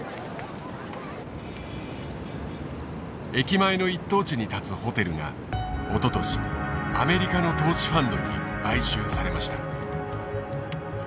駅前の一等地に建つホテルがおととしアメリカの投資ファンドに買収されました。